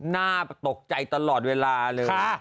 น่าตกใจตลอดเวลาเลย